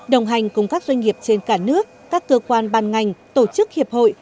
đồng hành cùng các doanh nghiệp trên cả nước các cơ quan ban ngành tổ chức hiệp hội